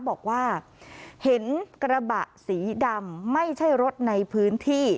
บอกว่าเห็นกระบะสีดำไม่ใช่รถในพื้นที่